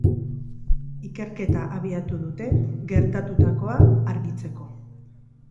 Ikerketa abiatu dute, gertatutakoa argitzeko.